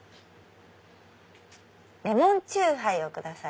レモンチューハイをください。